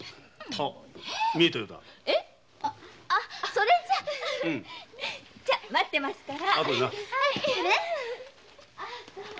それじゃ待ってますから。